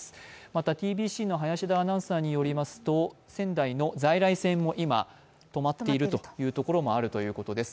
またｔｂｃの林田アナウンサーによりますと仙台の在来線も今、止まっているというところもあるということです。